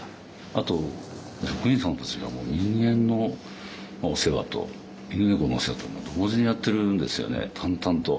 あと職員さんたちがもう人間のお世話と犬猫のお世話と同時にやってるんですよね淡々と。